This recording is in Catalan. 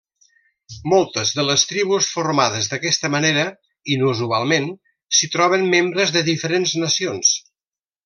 Moltes de les tribus formades d'aquesta manera inusualment s'hi troben membres de diferents nacions.